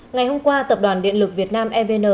ngày hôm qua tập đoàn điện lực việt nam evn